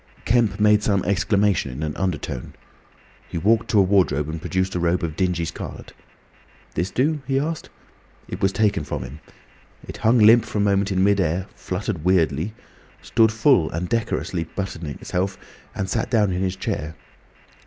Kemp made some exclamation in an undertone. He walked to a wardrobe and produced a robe of dingy scarlet. "This do?" he asked. It was taken from him. It hung limp for a moment in mid air, fluttered weirdly, stood full and decorous buttoning itself, and sat down in his chair.